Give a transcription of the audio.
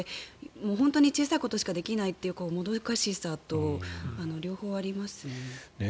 本当に小さいことしかできないというもどかしさと両方ありますよね。